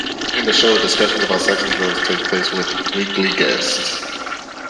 In the show, discussions about sex and drugs take place with weekly guests.